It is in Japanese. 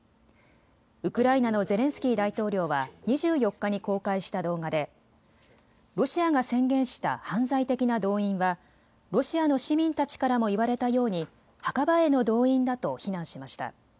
ウクライナのゼレンスキー大統領は２４日に公開した動画でロシアが宣言した犯罪的な動員はロシアの市民たちからも言われたように墓場への動員だと非難しました。